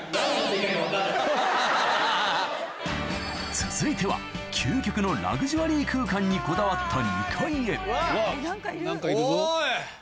続いては究極のラグジュアリー空間にこだわったおい。